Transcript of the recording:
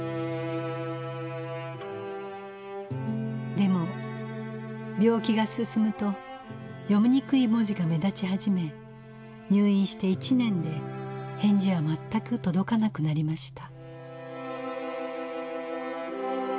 でも病気が進むと読みにくい文字が目立ち始め入院して１年で返事は全く届かなくなりました。